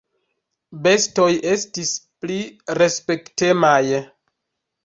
"Bestoj estis pli respektemaj."